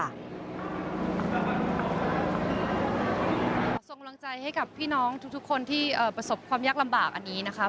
ส่งกำลังใจให้กับพี่น้องทุกคนที่ประสบความยากลำบากอันนี้นะครับ